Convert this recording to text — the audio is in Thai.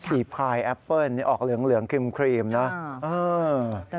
สีพรายแอปเปิลนี้ออกเหลืองครีมน่ะ